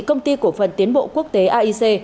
công ty cổ phần tiến bộ quốc tế aic